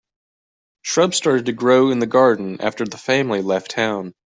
Shrubs started to grow in the garden after that family left town.